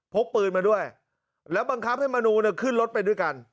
พกปืนมาด้วยแล้วบังคับให้มนูขึ้นรถไปด้วยกัน